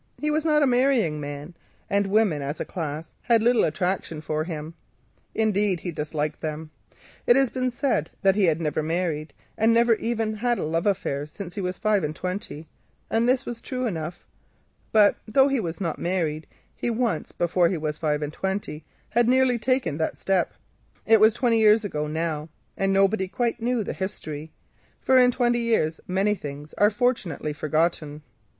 He was not a marrying man, and women as a class had little attraction for him; indeed he disliked them. It has been said that he had never married, and never even had a love affair since he was five and twenty. But though he was not married, he once—before he was five and twenty—very nearly took that step. It was twenty years ago now, and nobody quite knew the history, for in twenty years many things are fortunately forgotten.